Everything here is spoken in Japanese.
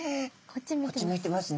こっち見てます。